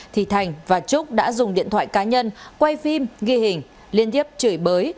thì thành và trúc đã dùng điện thoại cá nhân quay phim ghi hình liên tiếp chửi bới